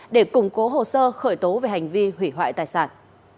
để củng cố hồ sơ khởi tố về hành vi hủy hoại tài sản